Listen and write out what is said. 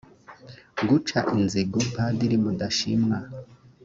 guca inzigo padiri mudashimwa